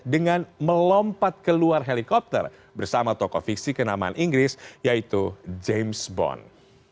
dengan melompat keluar helikopter bersama tokoh fiksi kenamaan inggris yaitu james bond